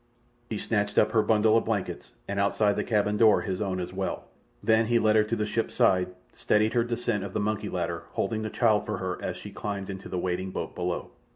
He snatched up her bundle of blankets, and outside the cabin door his own as well. Then he led her to the ship's side, steadied her descent of the monkey ladder, holding the child for her as she climbed to the waiting boat below.